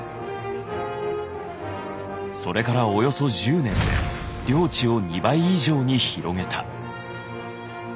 それからおよそ１０年で領地を２倍以上に広げた。